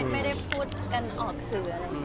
ไม่ได้พูดกันออกสื่อ